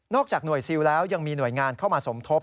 จากหน่วยซิลแล้วยังมีหน่วยงานเข้ามาสมทบ